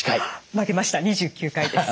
負けました２９回です。